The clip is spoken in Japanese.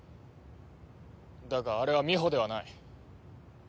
だがあれはみほではない。